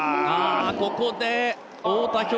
ここで太田彪